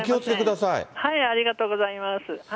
ありがとうございます。